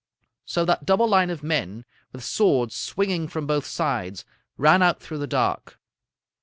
"So that double line of men, with swords swinging from both sides, ran out through the dark.